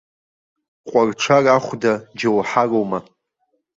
Ҟәарҽар ахәда џьоуҳарума?